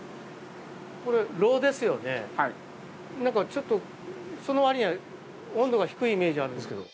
ちょっとそのわりには温度が低いイメージがあるんですけど。